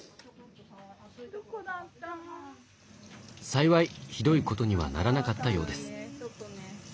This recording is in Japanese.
幸いひどいことにはならなかったようです。